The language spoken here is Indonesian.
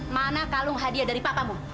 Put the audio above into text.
mana kalung hadiah dari papamu